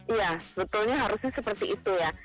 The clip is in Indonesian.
iya sebetulnya harusnya seperti itu ya